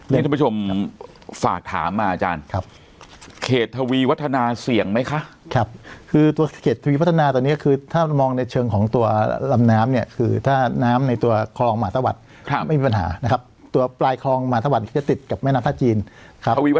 นี่ท่านผู้ชมฝากถามมาอาจารย์ครับเขตทวีวัฒนาเสี่ยงไหมคะครับคือตัวเขตทวีพัฒนาตอนนี้คือถ้ามองในเชิงของตัวลำน้ำเนี่ยคือถ้าน้ำในตัวคลองหมาตะวัดครับไม่มีปัญหานะครับตัวปลายคลองหมาตะวัดจะติดกับแม่น้ำท่าจีนครับ